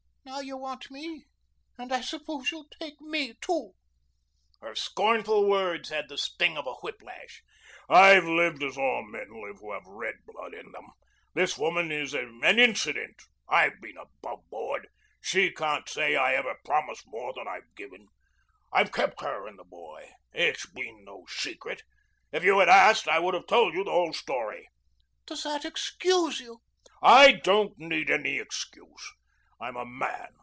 Now you want me and I suppose you'll take me too." Her scornful words had the sting of a whiplash. "I've lived as all men live who have red blood in them. This woman is an incident. I've been aboveboard. She can't say I ever promised more than I've given. I've kept her and the boy. It's been no secret. If you had asked, I would have told you the whole story." "Does that excuse you?" "I don't need any excuse. I'm a man.